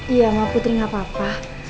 iya sama putri gak apa apa